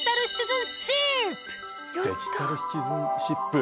デジタルシチズンシップ？